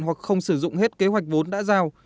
hoặc không sử dụng hết kế hoạch vốn đã giao